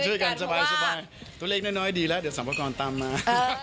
ช่วยกันช่วยกันสบายทุ่มเล็กน้อยดีแล้วเดี๋ยวสันปกรณ์ตามมา